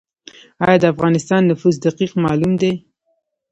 آیا د افغانستان نفوس دقیق معلوم دی؟